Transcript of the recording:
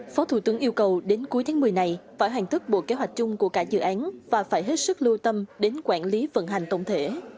phó thủ tướng yêu cầu đến cuối tháng một mươi này phải hoàn tất bộ kế hoạch chung của cả dự án và phải hết sức lưu tâm đến quản lý vận hành tổng thể